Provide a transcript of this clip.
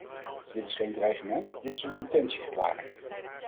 Dit is geen dreigement, dit is een intentieverklaring.